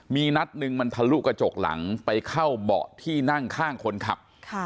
มีนัดหนึ่งมันทะลุกระจกหลังไปเข้าเบาะที่นั่งข้างคนขับ